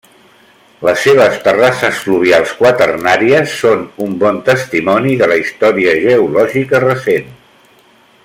Les seves terrasses fluvials quaternàries són un bon testimoni de la història geològica recent.